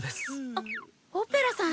あオペラさん！